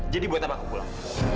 jadi buat apa aku pulang